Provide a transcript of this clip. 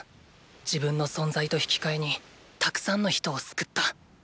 自分の存在と引き換えにたくさんの人を救った。